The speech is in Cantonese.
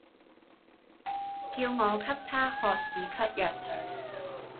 叫我給她喝止咳藥水